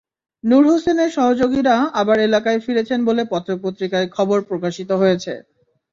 নূর হোসেনের সহযোগীরা আবার এলাকায় ফিরেছেন বলে পত্র-পত্রিকায় খবর প্রকাশিত হয়েছে।